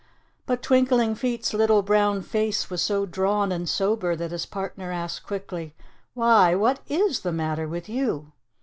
But Twinkling Feet's little brown face was so drawn and sober that his partner asked quickly, "Why, what is the matter with you?"